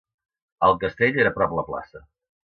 El castell era prop la plaça.